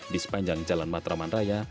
di sepanjang jalan matraman raya